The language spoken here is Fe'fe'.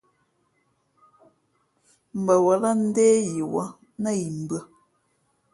Mbαwᾱlᾱ ndé yī wᾱ nά yi mbʉ̄ᾱ.